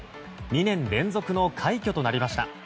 ２年連続の快挙となりました。